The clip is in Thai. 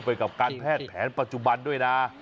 ไปกับการแพทย์แผนปัจจุบันด้วยนะ